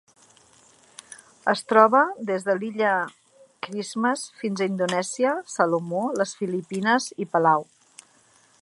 Es troba des de l'Illa Christmas fins a Indonèsia, Salomó, les Filipines i Palau.